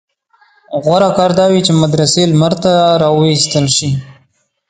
غوره کار دا وي چې مدرسې لمر ته راوایستل شي.